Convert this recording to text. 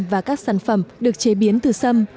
và các sản phẩm được chế biến từ xâm